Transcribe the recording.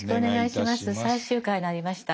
最終回になりました。